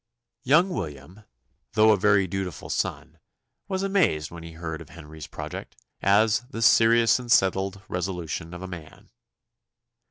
Young William, though a very dutiful son, was amazed when he heard of Henry's project, as "the serious and settled resolution of a man."